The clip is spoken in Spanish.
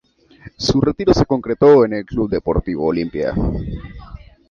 Su retiro se concretó en el Club Deportivo Olimpia.